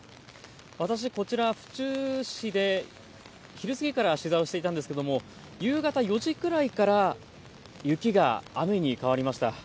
私、こちら府中市で昼過ぎから取材をしていたんですけども夕方４時くらいから雪が雨に変わりました。